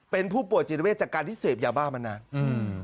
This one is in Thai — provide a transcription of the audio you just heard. เป็นผู้ป่วยจิตเวทจากการที่เสพยาบ้ามานานอืม